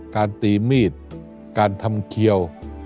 การตีมีดการทำเขียว